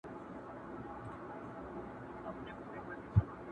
د حیا ډکه مُسکا دي پاروي رنګین خیالونه,